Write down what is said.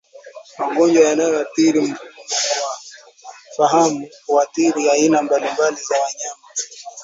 Magonjwa yanayoathiri mfumo wa fahamu huathiri aina mbalimbali za wanyama